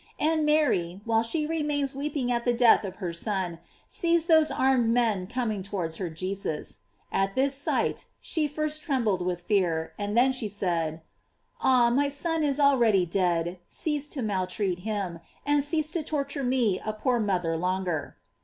And Mary, while she remains weeping at the death of her Son, sees those armed men coming towards her Jesus. At this sight she first trembled with fear, then she said : Ah, my Son is already dead, cease to maltreat him, and cease to torture me a poor mother longer.